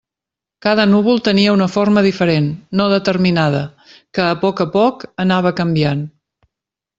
Cada núvol tenia una forma diferent, no determinada, que, a poc a poc, anava canviant.